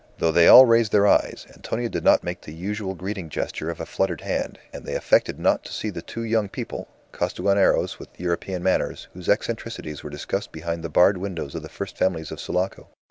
Though they all raised their eyes, Antonia did not make the usual greeting gesture of a fluttered hand, and they affected not to see the two young people, Costaguaneros with European manners, whose eccentricities were discussed behind the barred windows of the first families in Sulaco.